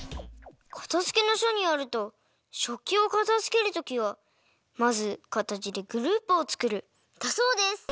「かたづけの書」によると「食器をかたづける時はまず形でグループをつくる」だそうです！